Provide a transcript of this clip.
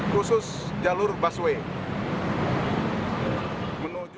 khusus jalur busway